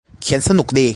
เขียนสนุกดี